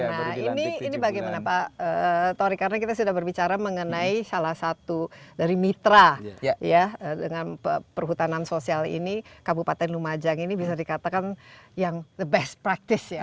nah ini bagaimana pak tori karena kita sudah berbicara mengenai salah satu dari mitra ya dengan perhutanan sosial ini kabupaten lumajang ini bisa dikatakan yang the best practice ya